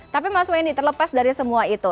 tapi mas wendy terlepas dari semua itu